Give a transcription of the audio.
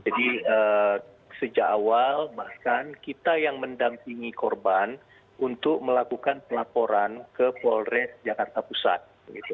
jadi eh sejak awal bahkan kita yang mendampingi korban untuk melakukan pelaporan ke polres jakarta pusat begitu